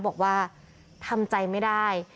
บอกว่าทำใจไม่ได้